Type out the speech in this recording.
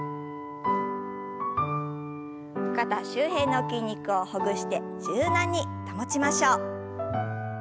肩周辺の筋肉をほぐして柔軟に保ちましょう。